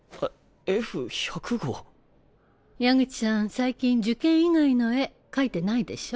最近受験以外の絵描いてないでしょ？